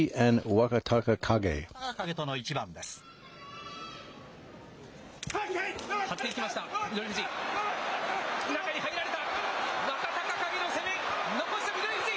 若隆景の攻め、残す翠富士。